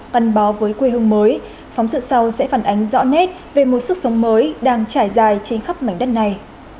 văn bó với quê hương mới phóng sự sau sẽ phản ánh rõ nét về một sức sống mới đang trải dài trên khắp mảnh đất này